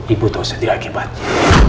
ibu tahu sendiri akibatnya